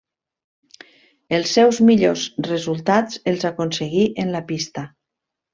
Els seus millors resultats els aconseguí en la pista.